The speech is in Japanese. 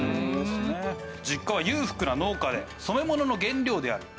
実家は裕福な農家で染め物の原料である藍。